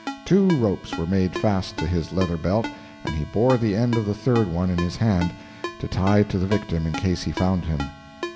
Two ropes were made fast to his leather belt and he bore the end of a third one in his hand to tie to the victim in case he found him.